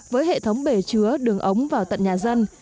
với hệ thống bể chứa đường ống vào tận nhà dân